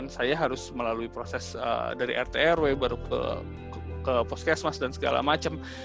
saya harus melalui proses dari rt rw baru ke puskesmas dan segala macam